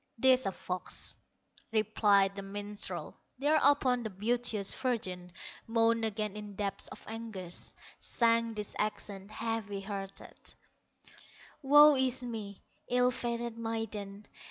"'Tis a fox", replied the minstrel. Thereupon the beauteous virgin Moaned again in depths of anguish, Sang these accents, heavy hearted: "Woe is me, ill fated maiden!